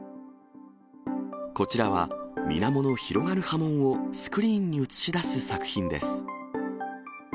こちらは、みなもの広がる波紋をスクリーンに映し出す作品です。